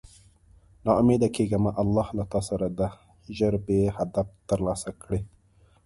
نا اميده کيږه مه الله له تاسره ده ژر به هدف تر لاسه کړی